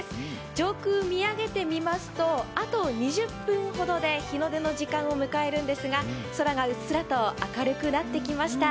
上空見上げてみますとあと２０分ほどで日の出の時間を迎えるんですが、空がうっすらと明るくなってきました。